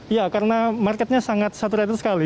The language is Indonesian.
iya karena marketnya sangat saturated sekali